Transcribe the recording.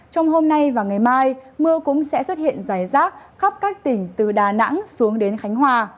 trong hôm nay và ngày mai mưa cũng sẽ xuất hiện rải rác khắp các tỉnh từ đà nẵng xuống đến khánh hòa